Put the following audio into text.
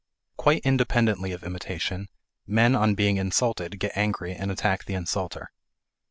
Quite independently of imitation, men on being insulted get angry and attack the insulter.